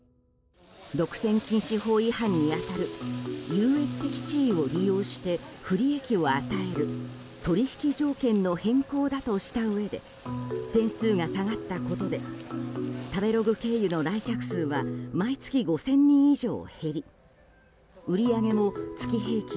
独占禁止法違反に当たる優越的地位を利用して不利益を与える取引条件の変更だとしたうえで点数が下がったことで食べログ経由の来客数は毎月５０００人以上減り売り上げも月平均